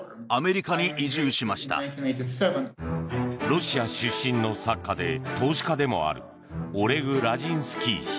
ロシア出身の作家で投資家でもあるオレグ・ラジンスキー氏。